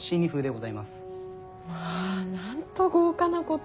まぁなんと豪華なこと。